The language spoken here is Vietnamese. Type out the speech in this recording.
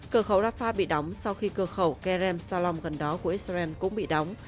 cửa khẩu rafah bị đóng sau khi cơ khẩu kerem salom gần đó của israel cũng bị đóng